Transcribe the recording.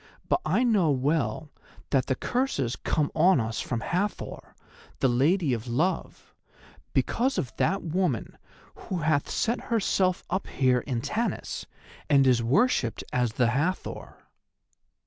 But I know well that the curses come on us from Hathor, the Lady of Love, because of that woman who hath set herself up here in Tanis, and is worshipped as the Hathor."